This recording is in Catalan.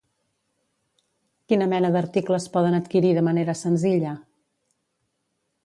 Quina mena d'articles poden adquirir de manera senzilla?